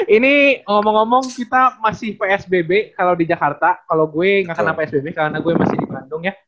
ini ngomong ngomong kita masih psbb kalau di jakarta kalau gue nggak kena psbb karena gue masih di bandung ya